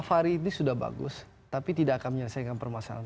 fahri ini sudah bagus tapi tidak akan menyelesaikan permasalahan